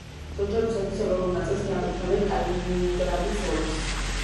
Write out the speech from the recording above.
ზოგჯერ რუსეთის ევროპულ ნაწილს მიაკუთვნებენ კალინინგრადის ოლქს.